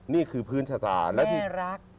นี่คือพื้นชะตาและที่รัก